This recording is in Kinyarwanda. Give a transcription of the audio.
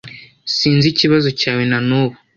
Sinzi ikibazo cyawe na nubu.